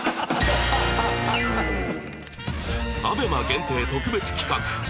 ＡＢＥＭＡ 限定特別企画